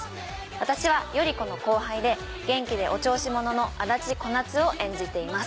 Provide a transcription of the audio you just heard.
私は頼子の後輩で元気でお調子者の足立小夏を演じています。